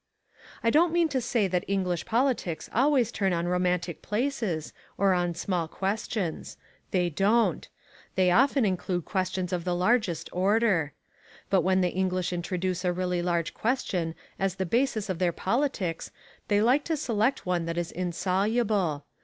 I don't mean to say the English politics always turn on romantic places or on small questions. They don't. They often include questions of the largest order. But when the English introduce a really large question as the basis of their politics they like to select one that is insoluble.